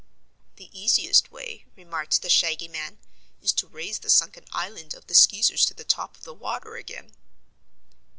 "The easiest way," remarked the Shaggy Man, "is to raise the sunken island of the Skeezers to the top of the water again."